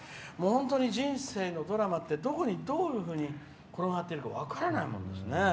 本当に人生のドラマってどこに、どういうふうに転がってるか分からないもんですね。